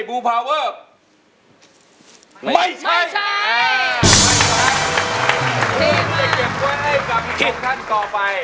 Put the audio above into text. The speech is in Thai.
เพื่อจะเก็บไว้ให้คำนี้ของท่านต่อไป